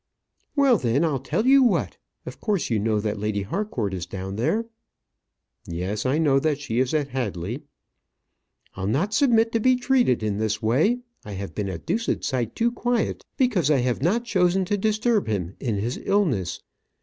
"Well, then; I'll tell you what. Of course you know that Lady Harcourt is down there?" "Yes; I know that she is at Hadley." "I'll not submit to be treated in this way. I have been a deuced sight too quiet, because I have not chosen to disturb him in his illness.